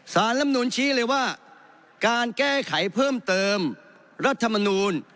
สารรัฐธรรมนุนชี้เลยว่าการแก้ไขเพิ่มเติมรัฐธรรมนุน